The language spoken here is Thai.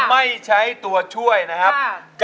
ไม่ใช้ตัวช่วยนะครับ